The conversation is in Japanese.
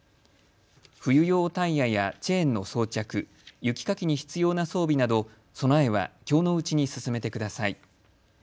冬用タイヤやチェーンの装着、雪かきに必要な装備など備えはきょうのうちに進めてください。